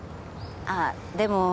あっでも。